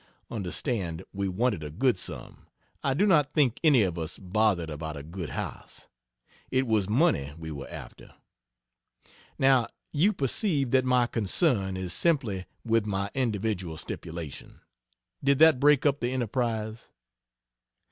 (Understand, we wanted a good sum I do not think any of us bothered about a good house; it was money we were after) Now you perceive that my concern is simply with my individual stipulation. Did that break up the enterprise?